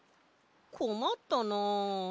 こまったなあ。